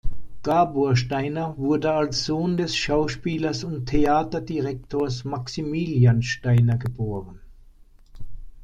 Gabor Steiner wurde als Sohn des Schauspielers und Theaterdirektors Maximilian Steiner geboren.